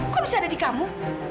kok bisa ada di kamu